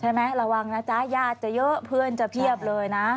ระวังนะจ๊ะญาติจะเยอะเพื่อนจะเพียบเลยนะ